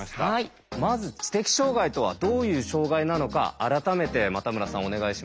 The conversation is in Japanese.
まず知的障害とはどういう障害なのか改めて又村さんお願いします。